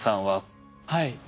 はい。